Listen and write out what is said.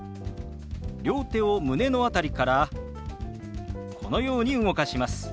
両手を胸の辺りからこのように動かします。